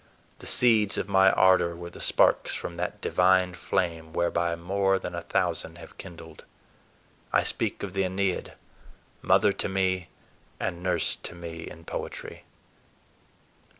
The seeds of my ardor were the sparks from that divine flame whereby more than a thousand have kindled; I speak of the Æneid, mother to me and nurse to me in poetry.